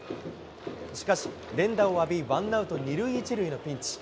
しかし、連打を浴び、ワンアウト２塁１塁のピンチ。